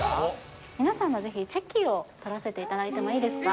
皆さんのぜひチェキを撮らせていただいてもいいですか？